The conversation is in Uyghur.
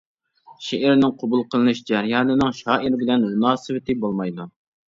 شېئىرنىڭ قوبۇل قىلىنىش جەريانىنىڭ شائىر بىلەن مۇناسىۋىتى بولمايدۇ.